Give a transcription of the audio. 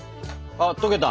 あっとけた！